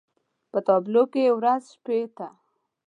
په تابلو کې يې ورځ شپې ته